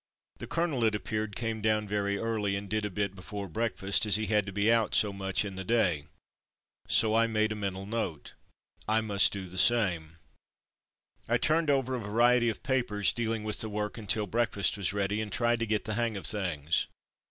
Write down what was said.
The colonel, it appeared, came down early and did a bit before breakfast, as he had to be out so much in the day, so I made a mental note, ''I must do the same/' I turned over a variety of papers dealing with the work until breakfast was ready, and tried to get the hang of things.